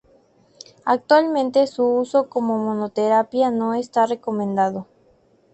Actualmente su uso como monoterapia no está recomendado.